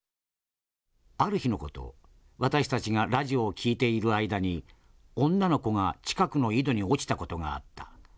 ある日の事私たちがラジオを聴いている間に女の子が近くの井戸に落ちた事があった。